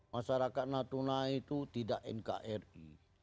masyarakat natuna itu tidak nkri